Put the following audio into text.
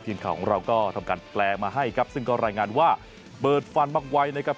ทีมข่าวของเราก็ทำการแปลมาให้ครับซึ่งก็รายงานว่าเปิดฟันมากไว้นะครับ